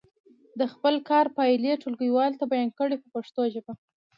د خپل کار پایلې ټولګیوالو ته بیان کړئ په پښتو ژبه.